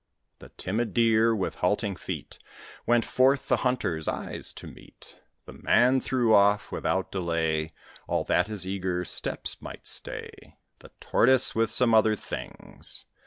The timid deer, with halting feet, Went forth, the hunter's eyes to meet. The man threw off, without delay, All that his eager steps might stay The Tortoise, with some other things.